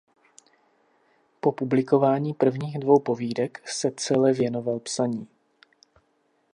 Po publikování prvních dvou povídek se cele věnoval psaní.